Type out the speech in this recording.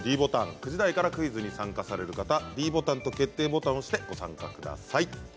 ９時台から参加される方はｄボタンと決定ボタンを押してご参加ください。